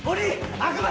悪魔！